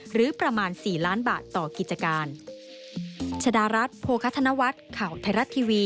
หรือประมาณ๔ล้านบาทต่อกิจการ